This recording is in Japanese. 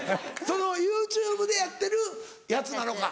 そのＹｏｕＴｕｂｅでやってるやつなのか？